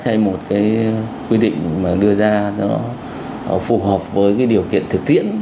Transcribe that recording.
hay một cái quy định mà đưa ra nó phù hợp với cái điều kiện thực tiễn